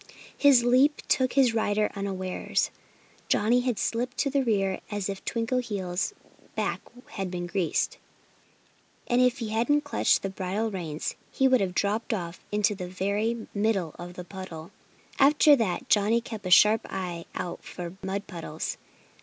His leap took his rider unawares. Johnnie had slipped to the rear as if Twinkleheels' back had been greased. And if he hadn't clutched the bridle reins he would have dropped off into the very middle of the puddle. After that Johnnie kept a sharp eye out for mud puddles.